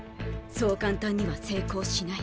そう簡単には成功しない。